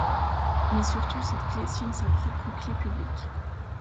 Mais surtout cette clé signe sa propre clé publique.